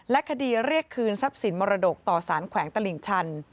คดีเรียกคืนทรัพย์สินมรดกต่อสารแขวงตลิ่งชัน